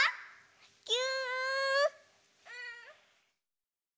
ぎゅ！